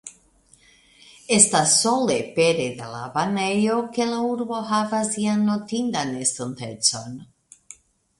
Estas sole pere de la banejo, ke la urbo havas ian notindan estontecon.